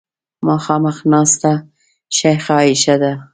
مخامخ ناسته شیخه عایشه ده.